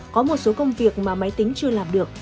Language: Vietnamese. có một số công việc mà máy tính chưa làm được